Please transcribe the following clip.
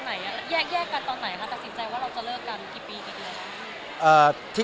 ตอนไหนค่ะตัดสินใจว่าเราจะเลิกกันที่ปีที่เดียวอ่าที่